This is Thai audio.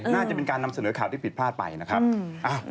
น่าจะเป็นการนำเสนอข่าวที่ผิดพลาดไปนะครับ